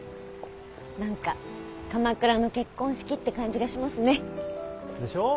何か鎌倉の結婚式って感じがしますね。でしょう？